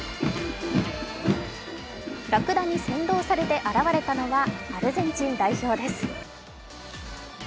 ラクダに先導されて現れたのはアルゼンチン代表です。